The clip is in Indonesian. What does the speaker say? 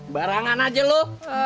barangan aja lu